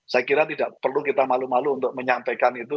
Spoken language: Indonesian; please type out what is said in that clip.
saya kira tidak perlu kita malu malu untuk menyampaikan itu